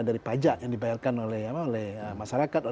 dari pajak yang dibayarkan oleh masyarakat